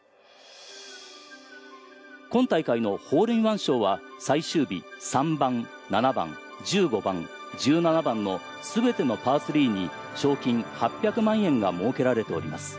今大会のホールインワン賞は最終日３番、７番、１５番、１７番の全てのパー３に賞金８００万円が設けられております。